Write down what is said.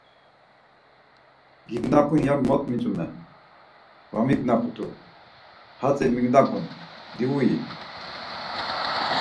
Gignapun ya mo mitzume, var mignaputu, hatzi mignapun divui.